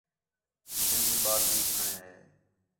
سندھی ٻال بھی گھݨے ہے